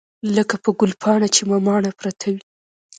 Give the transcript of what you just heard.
لکه په ګلپاڼه چې مماڼه پرته وي.